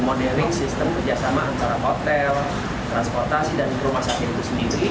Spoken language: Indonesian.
modeling sistem kerjasama antara hotel transportasi dan rumah sakit itu sendiri